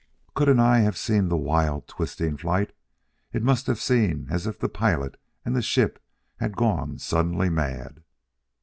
Could an eye have seen the wild, twisting flight, it must have seemed as if pilot and ship had gone suddenly mad.